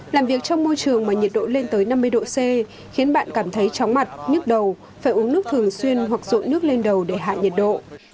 làm việc trong môi trường mà nhiệt độ lên tới năm mươi độ c khiến bạn cảm thấy chóng mặt nhức đầu phải uống nước thường xuyên hoặc rộn nước lên đầu để hạ nhiệt độ